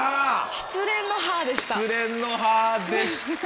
失恋の「はぁ」でした。